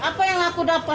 pemerintah yang kasih makan